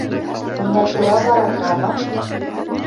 Миңә тура барырғамы?